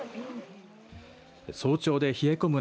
早朝で冷え込む